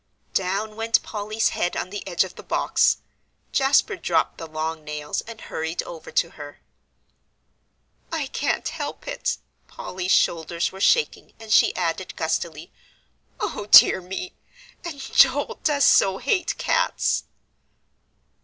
Down went Polly's head on the edge of the box. Jasper dropped the long nails and hurried over to her. "I can't help it." Polly's shoulders were shaking, and she added gustily, "O dear me and Joel does so hate cats!"